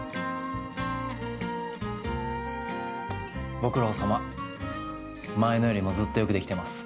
ご苦労さま前のよりもずっとよくできてます。